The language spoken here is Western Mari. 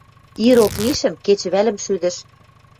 Ирок мишӹм – кечӹвӓлӹм шӱдӹш.